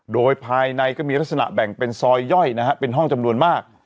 โดยภายในก็มีลักษณะแบ่งเป็นซอยย่อยนะฮะเป็นห้องจำนวนมาก